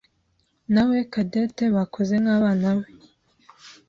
nawe Cadette bakoze nk'abanawe.